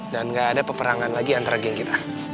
dan gak ada peperangan lagi antara geng kita